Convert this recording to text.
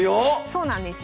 そうなんです。